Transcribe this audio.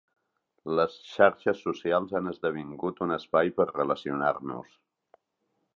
Les xarxes socials han esdevingut un espai per relacionar-nos.